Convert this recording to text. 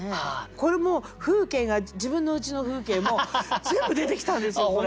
これもう風景が自分のうちの風景も全部出てきたんですよこれ。